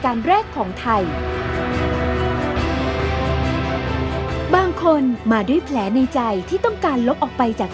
สนุนโดยสถาบันความงามโย